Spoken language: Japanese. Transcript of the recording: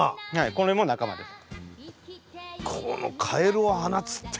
これも仲間です。